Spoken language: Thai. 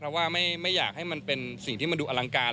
เพราะว่าไม่อยากให้มันเป็นสิ่งที่มันดูอลังการ